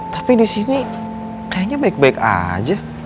tapi disini kayaknya baik baik aja